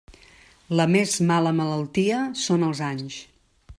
La més mala malaltia són els anys.